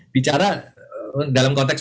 bicara dalam konteks